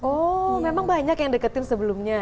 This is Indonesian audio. oh memang banyak yang deketin sebelumnya